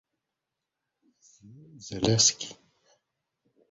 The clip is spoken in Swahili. Zelewski aliwadharau Wahehe kama watu ambao walikuwa na mikuki na pinde tu